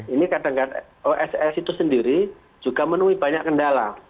ini kadang kadang oss itu sendiri juga menuhi banyak kendala